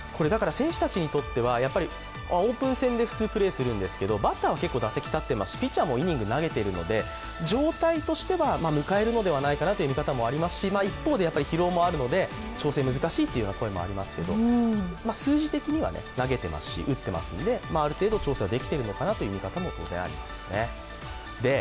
選手たちにとっては、オープン戦で普通プレーするんですけど、バッターは結構打席立ってますしピッチャーもイニング投げてますし状態としては迎えるのではないかなという見方もありますし一方で疲労もあるので、調整が難しいという声もありますけど、数字的には投げていますし、打っていますので、ある程度調整はできてるのかなという見方も当然ありますよね。